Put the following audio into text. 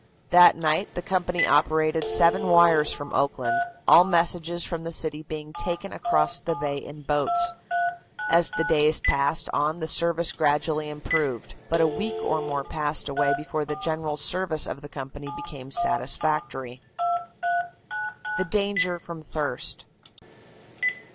That night the company operated seven wires from Oakland, all messages from the city being taken across the bay in boats. As the days passed on the service gradually improved, but a week or more passed away before the general service of the company became satisfactory. THE DANGER FROM THIRST.